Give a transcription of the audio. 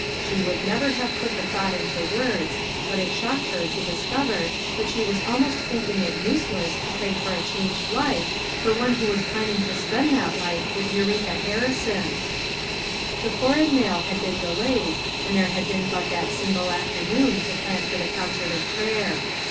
She would never have put the thought into words, but it shocked her to discover that she was almost thinking it useless to pray for a changed life for one who was planning to spend that life with Eureka Harrison 1 The foreign mail had been delayed, and there had been but that single afternoon to plan for the concert of prayer.